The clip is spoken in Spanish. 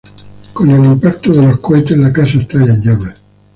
Con el impacto de los cohetes la casa estalla en llamas.